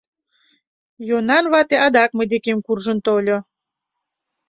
Йонан вате адак мый декем куржын тольо.